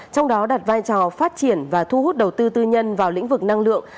trong đó đặt vai trò phát triển và thu hút đầu tư tư nhân vào lĩnh vực năng lượng